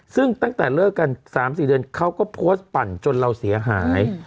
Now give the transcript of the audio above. ซึ่งตั้งแต่เลิกกัน๓๔เดือนเขาก็โพสต์ปั่นจนเราเสียหาย